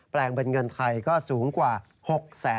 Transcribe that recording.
แปลงบรรเงินไทยก็สูงกว่า